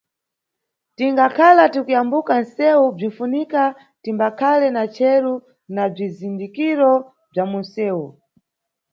Tingakhala tiKuyambuka nʼsewu, bzinʼfunika timbakhale na chero na bzizindikiro bza munʼsewu.